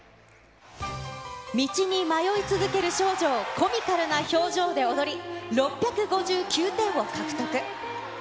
道に迷い続ける少女を、コミカルな表情で踊り、６５９点を獲得。